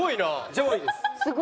上位です。